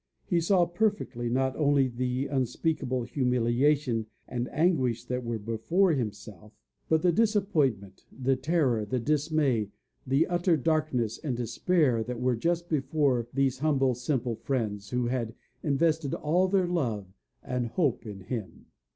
He saw perfectly not only the unspeakable humiliation and anguish that were before himself, but the disappointment, the terror, the dismay, the utter darkness and despair that were just before these humble, simple friends who had invested all their love and hope in him.